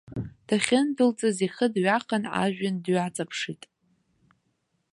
Дахьындәылҵыз ихы дҩахан ажәҩан дҩаҵаԥшит.